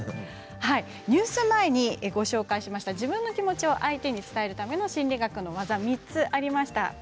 ニュース前にご紹介しました自分の気持ちを相手にうまく伝えるための心理学の技３つありました。